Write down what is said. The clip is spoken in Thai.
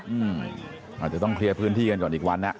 อาจจะต้องเคลียร์พื้นที่กันก่อนอีกวันนะ